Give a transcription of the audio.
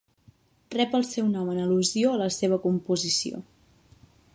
Rep el seu nom en al·lusió a la seva composició.